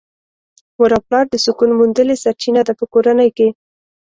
مور او پلار د سکون موندلې سرچينه ده په کورنۍ کې .